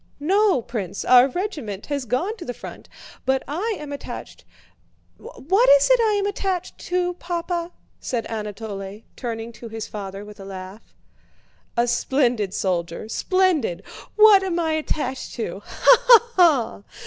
"No, Prince, our regiment has gone to the front, but I am attached... what is it I am attached to, Papa?" said Anatole, turning to his father with a laugh. "A splendid soldier, splendid! 'What am I attached to!' Ha, ha, ha!"